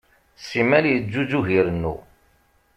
Simal yeǧǧuǧug irennu.